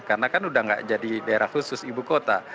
karena kan sudah tidak jadi daerah khusus ibu kota